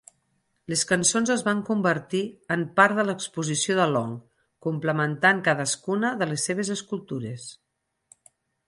Les cançons es van convertir en part de l'exposició de Long, complementant cadascuna de les seves escultures.